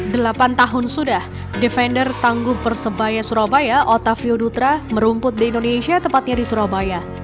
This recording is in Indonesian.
delapan tahun sudah defender tangguh persebaya surabaya otavio dutra merumput di indonesia tepatnya di surabaya